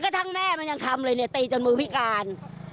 ทั้งแม่มันยังทำเลยเนี่ยตีจนมือพิการ